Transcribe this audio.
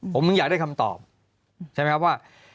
ผมถึงอยากได้คำตอบใช่ไหมครับว่า